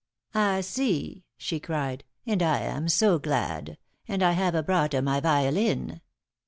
"I see," she cried. "And I am so glad! And I hava broughta my violin.